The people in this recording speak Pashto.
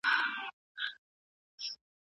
سند ولیکه.